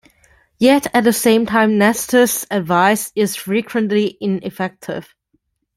Yet at the same time Nestor's advice is frequently ineffective.